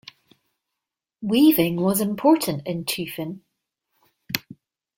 Weaving was important in Teufen.